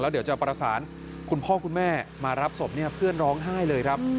เดี๋ยวจะประสานคุณพ่อคุณแม่มารับศพเพื่อนร้องไห้เลยครับ